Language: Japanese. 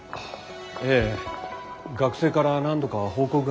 ええ学生から何度か報告がありましたから。